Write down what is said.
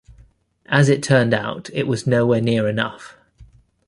As it turned out, it was nowhere near enough.